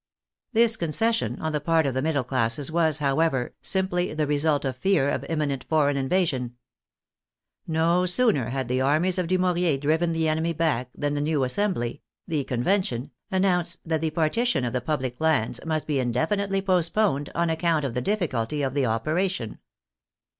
This concession on the part of the middle classes was, however, simply the result of fear of imminent foreign invasion. No sooner had the armies of Dumouriez driven the enemy back than the new Assembly, the Con vention, announced that the partition of the public lands must be indefinitely postponed on account of the difficulty of the operation.